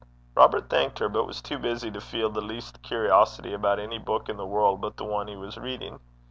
Robert thanked her, but was too busy to feel the least curiosity about any book in the world but the one he was reading.